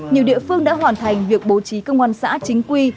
nhiều địa phương đã hoàn thành việc bố trí công an xã chính quy